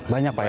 banyak pak ya